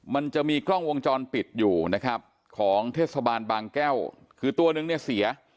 มันจะมีกล้องวงจรปิดอยู่นะครับของเทศบาลบางแก้วคือตัวนึงเนี่ยเสีย